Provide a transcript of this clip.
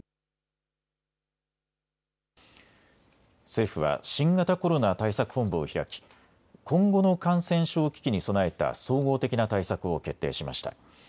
政府は新型コロナ対策本部を開き今後の感染症危機に備えた総合的な対策を決定しました。